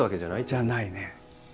じゃないね。